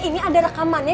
ini ada rekamannya